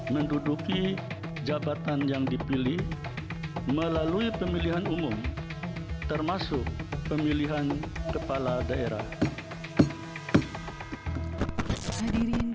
menduduki jabatan yang dipilih melalui pemilihan umum termasuk pemilihan kepala daerah hadirin